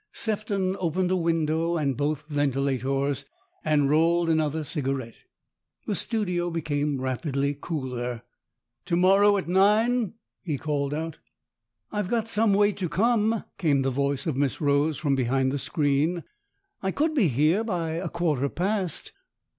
Sefton opened a window and both ventilators, and rolled another cigarette. The studio became rapidly cooler. " To morrow, at nine ?" he called out. " I've got some way to come," came the voice of Miss Rose from behind the screen. " I could be here by a quarter past."